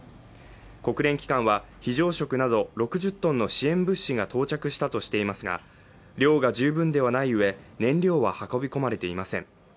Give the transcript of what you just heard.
国連機関は、非常食など６０ｔの支援物資が到着したとしていますが量が十分ではないうえ燃料は運び込まれていません。